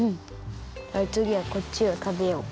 はいつぎはこっちをたべよう。